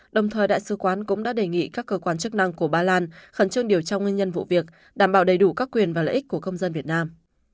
đồng thời đại sứ quán cũng đã đề nghị các cơ quan chức năng của ba lan khẩn trương điều tra nguyên nhân vụ việc đảm bảo đầy đủ các quyền và lợi ích của công dân việt nam